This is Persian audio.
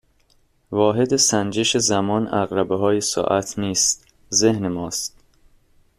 واحد سنجش زمان عقربههای ساعت نیست ذهن ماست